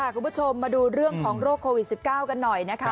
คุณผู้ชมมาดูเรื่องของโรคโควิด๑๙กันหน่อยนะคะ